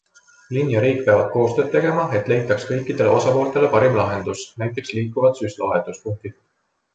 Linn ja riik peavad koostööd tegema, et leitaks kõikidele osapooltele parim lahendus, näiteks liikuvad süstlavahetuspunktid.